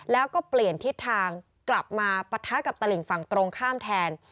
แล้วก็เปลี่ยนทิศทางกลับมาปะทะกับตลิ่งฝั่งตรงข้ามแทน